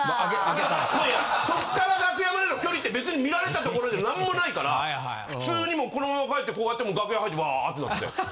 いやいやそっから楽屋までの距離って別に見られたところで何もないから普通にもうこのままこうやってこうやって楽屋入ってわぁってなって。